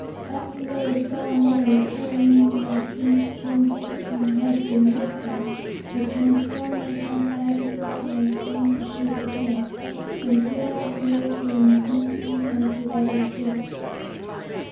After they had gone away, carrying my shin kicking husband with them, I transformed myself back to my former shape again, and here I've lived in peace and comfort ever since."